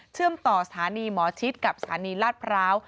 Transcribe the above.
เชื่อมต่อสถานีหมอชิตกับสถานีรัฐพร้าว